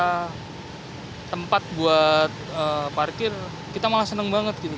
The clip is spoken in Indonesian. kita tempat buat parkir kita malah seneng banget gitu